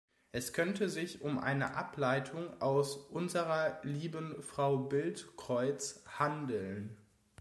Es könnte sich um eine Ableitung aus „Unserer lieben Frau Bild-Kreuz“ handeln.